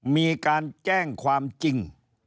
มีการแจ้งความจริง